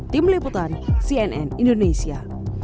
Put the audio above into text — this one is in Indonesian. tim liputan cnn indonesia